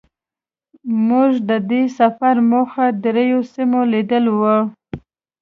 زمونږ د دې سفر موخه درېيو سیمو لیدل وو.